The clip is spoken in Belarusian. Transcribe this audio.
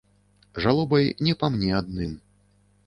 Жалобай не па мне адным.